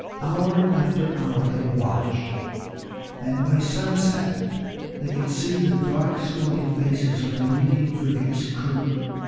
Hour after hour they watched, and by sunset they could see the dark, swarthy faces of the leading frigate's crew.